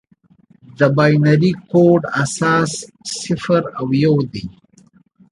د بایونري کوډ اساس صفر او یو دی.